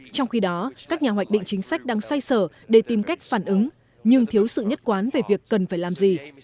trong khi đó các nhà hoạch định chính sách đang xoay sở để tìm cách phản ứng nhưng thiếu sự nhất quán về việc cần phải làm gì